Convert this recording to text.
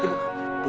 ibu biasa aja bu